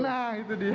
nah itu dia